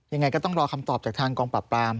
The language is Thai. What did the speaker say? ยังไงก็ต้องรอคำตอบจากทางกองปราบปราม